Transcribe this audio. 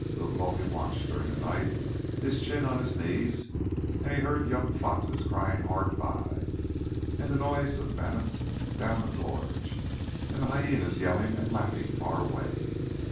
Ugh lomi watched during the night, his chin on his knees; and he heard young foxes crying hard by, and the noise of mammoths down the gorge, and the hyænas yelling and laughing far away.